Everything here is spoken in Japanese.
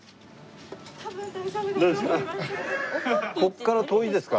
ここから遠いですか？